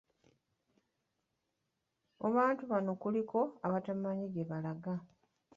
Mu bantu bano kuliko abatamanyi gye balaga.